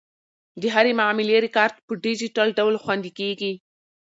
د هرې معاملې ریکارډ په ډیجیټل ډول خوندي کیږي.